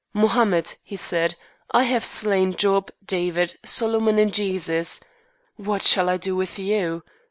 "Mohammed," he said, "I have slain Job, David, Solomon, and Jesus. What shall I do with you?